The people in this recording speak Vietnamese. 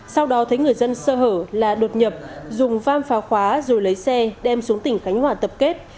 sau đó thấy người dân sơ hở là đột nhập dùng vam phá khóa rồi lấy xe đem xuống tỉnh khánh hòa tập kết